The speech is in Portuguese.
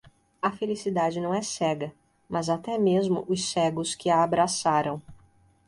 A felicidade não é cega, mas até mesmo os cegos que a abraçaram.